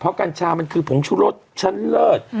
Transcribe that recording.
เพราะกัญชามันคือผงชุรสชั้นเลิศ